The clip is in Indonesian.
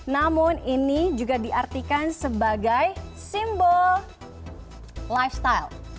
namun ini juga diartikan sebagai simbol lifestyle